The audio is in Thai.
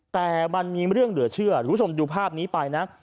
แต่มันมีเรื่องเหลือเชื่อคุณผู้ชมดูภาพนี้ไปนะ